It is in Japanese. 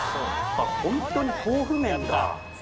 ホントに豆腐麺だ。